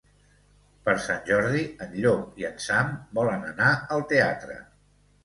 Per Sant Jordi en Llop i en Sam volen anar al teatre.